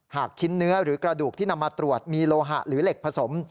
ชิ้นเนื้อหรือกระดูกที่นำมาตรวจมีโลหะหรือเหล็กผสม